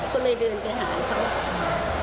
ก็เลยเดินไปหาเขา